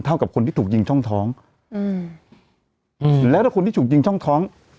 กับคนที่ถูกยิงช่องท้องอืมแล้วถ้าคนที่ถูกยิงช่องท้อง